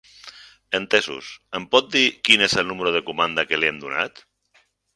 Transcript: Entesos, em pot dir quin és el número de comanda que li hem donat?